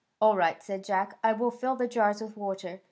" All right," said Jack. " 1 will fill the jars with water.